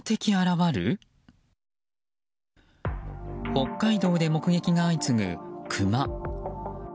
北海道で目撃が相次ぐクマ。